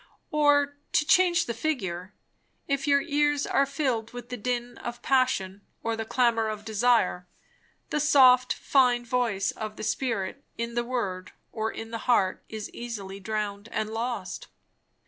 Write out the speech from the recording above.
Or, to change the figure; if your ears are filled with the din of passion or the clamour of desire, the soft, fine voice of the Spirit in the word or in the heart is easily drowned and lost.